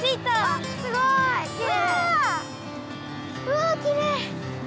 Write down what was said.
うわきれい。